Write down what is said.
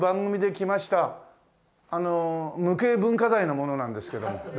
あの無形文化財の者なんですけども。